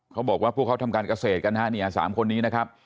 เขาบอกว่าพวกเขาทำการเกษตรกันฮะเนี่ย๓คนนี้นะครับ